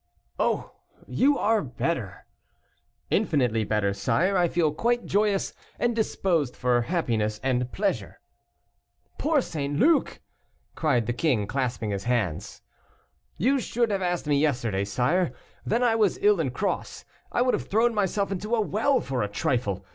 "Oh! you are better." "Infinitely better, sire; I feel quite joyous, and disposed for happiness and pleasure." "Poor St. Luc!" cried the king, clasping his hands. "You should have asked me yesterday, sire, then I was ill and cross. I would have thrown myself into a well for a trifle.